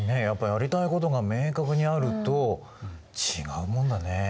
やっぱりやりたいことが明確にあると違うもんだね。